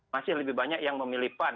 masih lebih banyak yang memilih pan